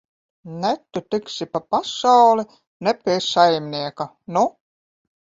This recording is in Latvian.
Ne tu tiksi pa pasauli, ne pie saimnieka, nu!